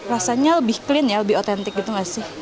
rasanya lebih clean ya lebih otentik gitu gak sih